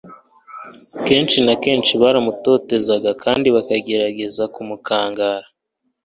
Kenshi na kenshi baramutotezaga kandi bakagerageza kumukangara,